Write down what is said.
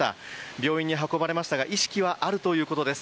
病院に運ばれましたが意識はあるということです。